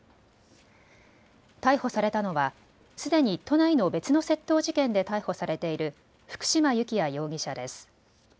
逮捕されたのはすでに都内の別の窃盗事件で逮捕されている福嶋幸也容疑者です。